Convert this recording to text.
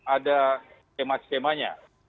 ada skema skema nya